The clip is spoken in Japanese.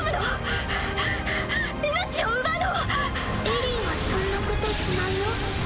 エリィはそんなことしないよ。